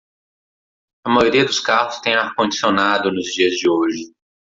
A maioria dos carros tem ar condicionado nos dias de hoje.